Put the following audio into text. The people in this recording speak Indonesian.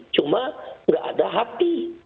cuma nggak ada hati